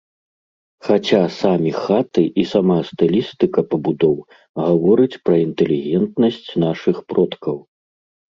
Хаця самі хаты і сама стылістыка пабудоў гаворыць пра інтэлігентнасць нашых продкаў.